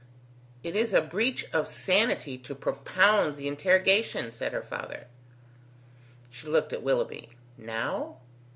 "It is a breach of sanity to propound the interrogation," said her father. She looked at Willoughby. "Now?"